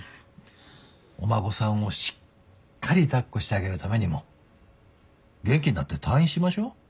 お孫さんをしっかり抱っこしてあげるためにも元気になって退院しましょう。